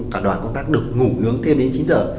cả đoàn công tác được ngủ nướng thêm đến chín h